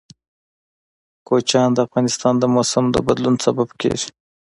کوچیان د افغانستان د موسم د بدلون سبب کېږي.